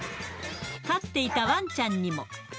飼っていたワンちゃんにも。